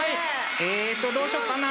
えっとどうしようかな。